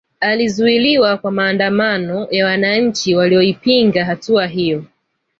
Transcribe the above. Alizuiliwa kwa maandamano ya wananchi walioipinga hatua hiyo